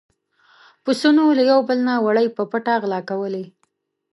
پسونو له يو بل نه وړۍ په پټه غلا کولې.